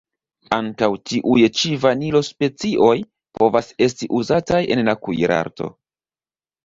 Ankaŭ tiuj ĉi Vanilo-specioj povas esti uzataj en la kuirarto.